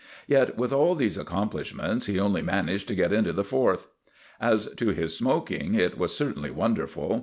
Yet, with all these accomplishments, he only managed to get into the Fourth. As to his smoking, it was certainly wonderful.